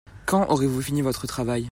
Quand aurez-vous fini votre travail ?